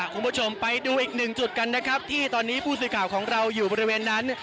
คุณผู้ชมไปดูอีกหนึ่งจุดกันนะครับที่ตอนนี้ผู้สื่อข่าวของเราอยู่บริเวณนั้น